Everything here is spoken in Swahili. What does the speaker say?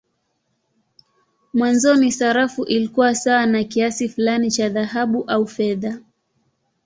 Mwanzoni sarafu ilikuwa sawa na kiasi fulani cha dhahabu au fedha.